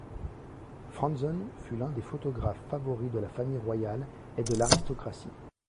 Franzen fut l'un des photographes favoris de la famille royale et de l'aristocratie.